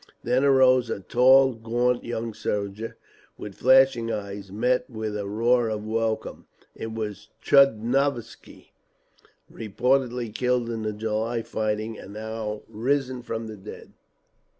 Then arose a tall, gaunt young soldier, with flashing eyes, met with a roar of welcome. It was Tchudnovsky, reported killed in the July fighting, and now risen from the dead.